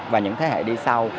và những thế hệ đi sau